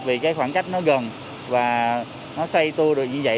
vì cái khoảng cách nó gần và nó say tua được như vậy